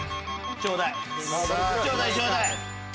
ちょうだい！